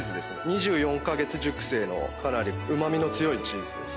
２４カ月熟成のかなりうま味の強いチーズです。